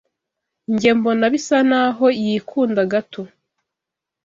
Njye mbona bisa naho yikunda gato.